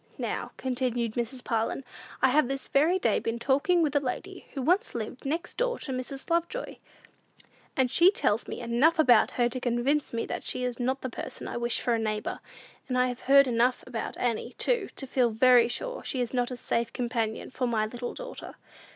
"Now," continued Mrs. Parlin, "I have this very day been talking with a lady, who once lived next door to Mrs. Lovejoy; and she tells me enough about her to convince me that she is not a person I wish for a neighbor. And I have heard enough about Annie, too, to feel very sure she is not a safe companion for my little daughter."